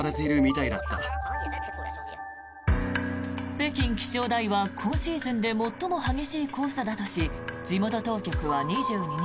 北京気象台は今シーズンで最も激しい黄砂だとし地元当局は２２日